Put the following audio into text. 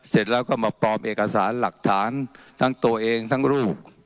เสร็จแล้วก็มาปลอมเอกสารหลักฐานทั้งตัวเองทั้งลูก